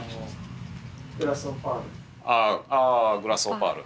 ああグラスオパール。